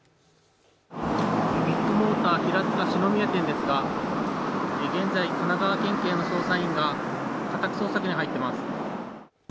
ビッグモーター平塚四之宮店ですが、現在、神奈川県警の捜査員が家宅捜索に入っています。